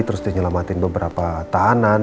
terus dinyelamatin beberapa tahanan